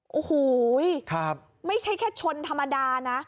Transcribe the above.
โอ้โหไม่ใช่แค่ชนธรรมดานะ